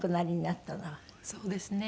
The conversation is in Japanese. そうですね。